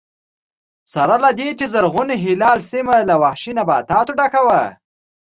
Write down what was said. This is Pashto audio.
سره له دې چې زرغون هلال سیمه له وحشي نباتاتو ډکه وه